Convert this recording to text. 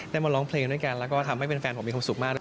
มาร้องเพลงด้วยกันแล้วก็ทำให้แฟนผมมีความสุขมาก